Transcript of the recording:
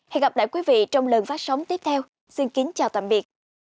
hẹn gặp lại quý vị trong lần phát sóng tiếp theo xin kính chào tạm biệt